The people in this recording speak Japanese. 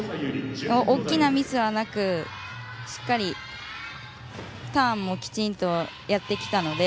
大きなミスはなくしっかりとターンもきちんとやってきたので。